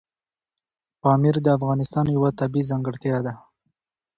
پامیر د افغانستان یوه طبیعي ځانګړتیا ده.